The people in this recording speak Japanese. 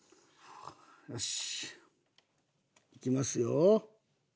よしいきますよ。